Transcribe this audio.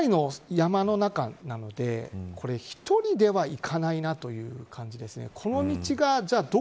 かなりの山の中なので一人では行かないなという感じですね。